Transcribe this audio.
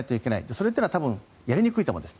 それは多分やりにくいと思うんです。